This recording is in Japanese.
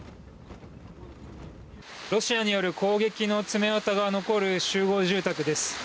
ロシアによる攻撃の爪痕が残る集合住宅です。